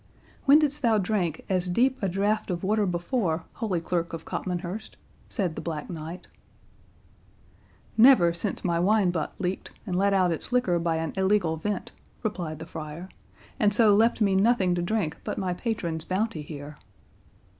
"When didst thou drink as deep a drought of water before, Holy Clerk of Copmanhurst?" said the Black Knight. "Never since my wine butt leaked, and let out its liquor by an illegal vent," replied the friar, "and so left me nothing to drink but my patron's bounty here."